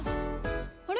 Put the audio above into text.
あれ？